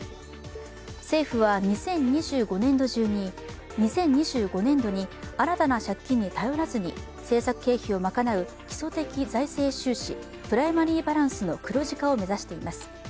政府は２０２５年度に新たな借金に頼らずに政策経費を賄う基礎的財政収支＝プライマリーバランスの黒字化を目指しています。